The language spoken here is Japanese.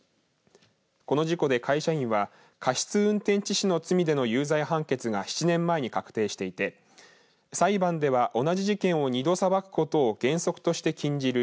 この事故で会社員は過失運転致死の罪での有罪判決が７年前に確定していて裁判では同じ事件を２度裁くことを原則として禁じる